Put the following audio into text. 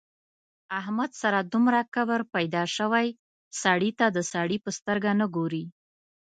احمد سره دومره کبر پیدا شوی سړي ته د سړي په سترګه نه ګوري.